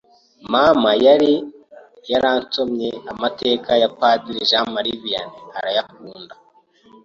Mama yari yarasomye amateka ya padiri Jean Marie Vianney arayakunda